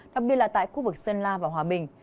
đặc biệt là tại khu vực sơn la và hòa bình